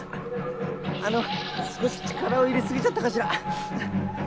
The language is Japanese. あの少し力を入れすぎちゃったかしら。